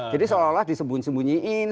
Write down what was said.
jadi seolah olah disembunyi sembunyiin